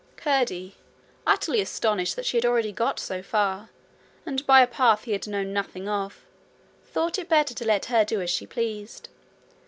Curdie, utterly astonished that she had already got so far, and by a path he had known nothing of, thought it better to let her do as she pleased.